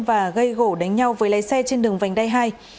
và gây gỗ đánh nhau với lái xe trên đường vành đai hai